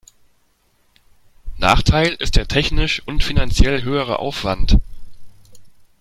Nachteil ist der technisch und finanziell höhere Aufwand.